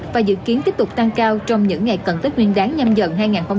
và dự kiến tiếp tục tăng cao trong những ngày cận tích nguyên đáng nhằm dần hai nghìn hai mươi hai